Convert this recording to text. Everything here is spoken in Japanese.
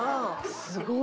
すごい。